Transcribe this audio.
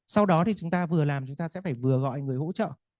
sau đó thì chúng ta vừa làm chúng ta sẽ phải vừa gọi người hỗ trợ